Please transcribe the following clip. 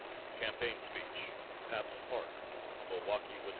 Campaign Speech, Pabst Park, Milwaukee, Wis.